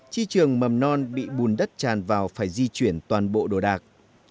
chi trường mầm non bị bùn đất tràn vào phải di chuyển toàn bộ đồ đạc